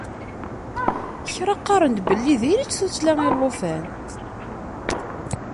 Kra qqaren-d belli diri-tt tuttla i llufan.